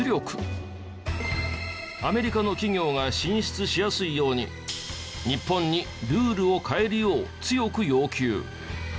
アメリカの企業が進出しやすいように日本にルールを変えるよう強く要求。